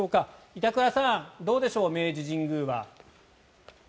板倉さん、どうでしょう明治神宮は。